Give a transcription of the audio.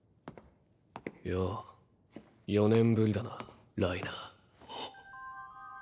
よう４年ぶりだなライナー。